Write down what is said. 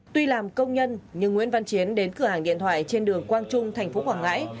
tuy làm công nhân nhưng nguyễn văn chiến đến cửa hàng điện thoại trên đường quang trung thành phố quảng ngãi